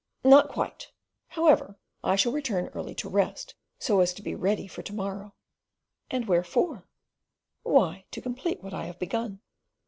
"Not quite; however, I shall retire early to rest, so as to be ready for to morrow." "And wherefore?" "Why! to complete what I have begun."